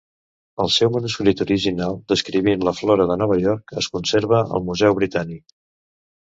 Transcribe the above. El seu manuscrit original, descrivint la flora de Nova York, es conserva al Museu Britànic.